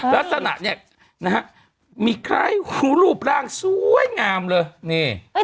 ลักษณะเนี่ยนะฮะมีคล้ายรูปร่างสวยงามเลยนี่